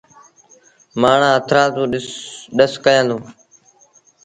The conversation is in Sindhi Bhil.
مآڻهآݩ هٿرآدو ڏس ڪيآݩدوݩ۔